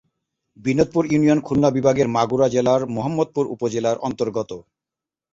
Binodpur union Khulna বিভাগের মাগুরা জেলার মহম্মদপুর উপজেলার অন্তর্গত।